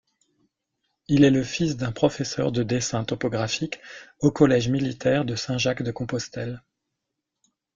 Il est le fils d'un professeur de dessin topographique au collège militaire de Saint-Jacques-de-Compostelle.